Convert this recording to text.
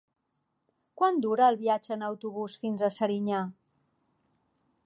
Quant dura el viatge en autobús fins a Serinyà?